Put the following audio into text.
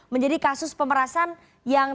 menjadi kasus pemerasan yang